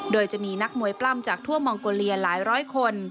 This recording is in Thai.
โดยจะมีนักมวยปล้ำจากทั่วมองโกเลียหลายร้อยคน